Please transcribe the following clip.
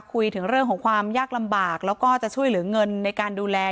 คุยถึงเรื่องของความยากลำบากแล้วก็จะช่วยเหลือเงินในการดูแล